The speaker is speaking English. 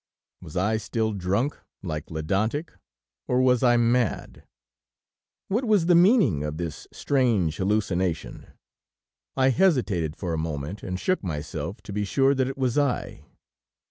Was I still drunk, like Ledantec, or was I mad? What was the meaning of this strange hallucination? I hesitated for a moment, and shook myself to be sure that it was I.